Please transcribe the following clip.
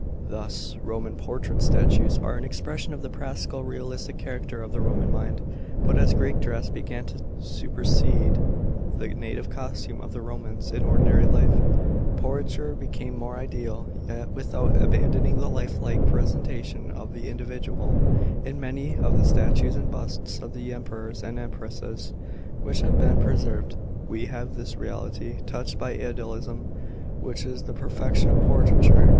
Thus Roman portrait statues are an expression of the practical, realistic character of the Roman mind. But as Greek dress began to supersede the native costume of the Romans in ordinary life, portraiture became more ideal, yet without abandoning the life like representation of the individual In many of the statues and busts of the Emperors and Empresses which have been preserved, we have this reality touched by idealism, which is the perfection of portraiture.